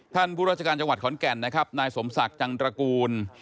ผู้ราชการจังหวัดขอนแก่นนะครับนายสมศักดิ์จังตระกูล